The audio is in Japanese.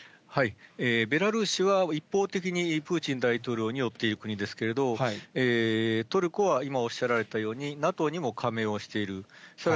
ベラルーシは、一方的にプーチン大統領に寄っている国ですけれども、トルコは今おっしゃられたようにＮＡＴＯにも加盟をしている。